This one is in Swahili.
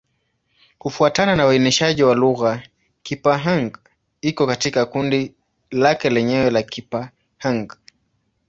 Kufuatana na uainishaji wa lugha, Kipa-Hng iko katika kundi lake lenyewe la Kipa-Hng.